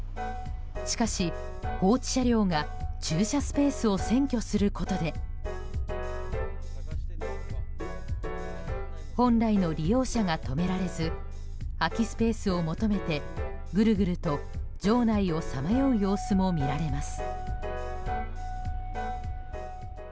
しかし、放置車両が駐車スペースを占拠することで本来の利用者が止められず空きスペースを求めてぐるぐると場内をさまよう様子も見られます。